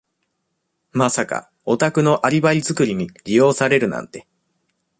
まさかお宅のアリバイ作りに利用されるなんて。